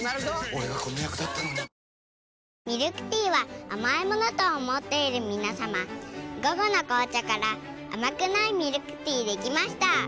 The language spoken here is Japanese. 俺がこの役だったのにミルクティーは甘いものと思っている皆さま「午後の紅茶」から甘くないミルクティーできました。